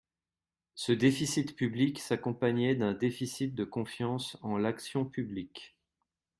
Ce déficit public s’accompagnait d’un déficit de confiance en l’action publique.